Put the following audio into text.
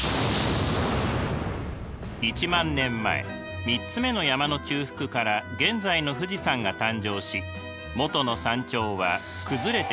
１万年前３つ目の山の中腹から現在の富士山が誕生し元の山頂は崩れてなくなります。